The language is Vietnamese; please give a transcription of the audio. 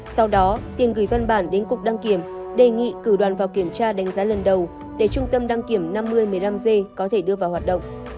sau đó tiền gửi văn bản đến cục đăng kiểm đề nghị cử đoàn vào kiểm tra đánh giá lần đầu để trung tâm đăng kiểm năm mươi một mươi năm g có thể đưa vào hoạt động